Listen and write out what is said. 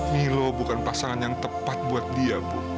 milo bukan pasangan yang tepat buat dia bu